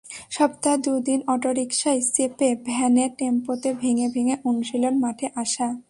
সপ্তাহে দুই দিন অটোরিকশায় চেপে, ভ্যানে-টেম্পোতে ভেঙে ভেঙে অনুশীলন মাঠে আসা।